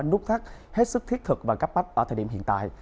nút thắt hết sức thiết thực và cấp bách ở thời điểm hiện tại